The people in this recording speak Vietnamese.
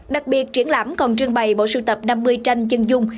đặc biệt triển lãm còn trưng bày bộ sưu tập năm mươi tranh chân dung